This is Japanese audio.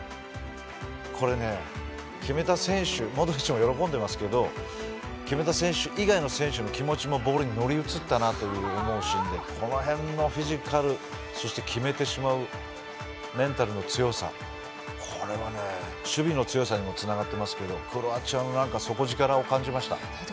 これね、決めた選手モドリッチも喜んでますけど決めた選手以外の、選手の気持ちもボールに乗り移ったなと思うシーンでこの辺のフィジカルそして決めてしまうメンタルの強さこれは守備の強さにもつながってますけどクロアチアの底力を感じました。